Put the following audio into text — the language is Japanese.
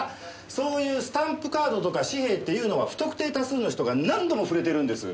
そういうスタンプカードとか紙幣っていうのは不特定多数の人が何度も触れてるんです。ね。